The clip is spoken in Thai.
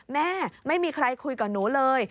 แม่ไม่มีใครคุยกับหนูเลย